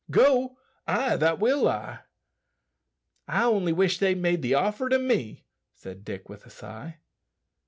"Go? ay, that will I." "I only wish they'd made the offer to me," said Dick with a sigh.